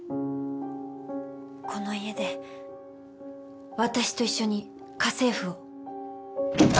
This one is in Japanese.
この家で私と一緒に家政夫を。